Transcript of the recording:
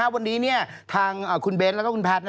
วันนี้ทางคุณเบนท์และคุณแพทย์